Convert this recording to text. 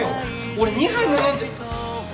俺２杯も飲んじゃっ。